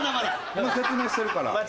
今説明してるから。